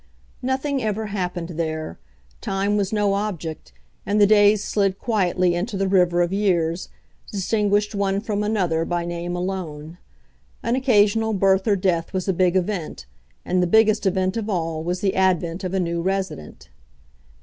Nothing ever happened there. Time was no object, and the days slid quietly into the river of years, distinguished one from another by name alone. An occasional birth or death was a big event, and the biggest event of all was the advent of a new resident.